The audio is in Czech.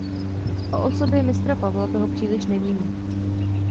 O osobě mistra Pavla toho příliš nevíme.